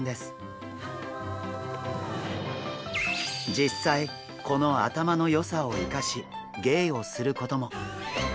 実際この頭の良さを生かし芸をすることも！